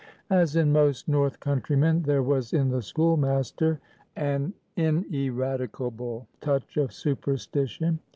As in most North countrymen, there was in the schoolmaster an ineradicable touch of superstition.